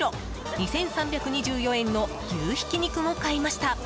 ２３２４円の牛ひき肉も買いました。